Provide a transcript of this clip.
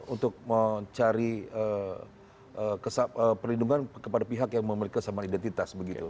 untuk mencari perlindungan kepada pihak yang memiliki kesamaan identitas begitu